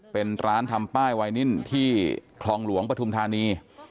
เป็นร้านทำป้ายไวนิ่นที่คลองหลวงปฐุมธานี